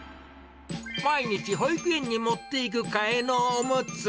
毎日保育園に持っていく替えのおむつ。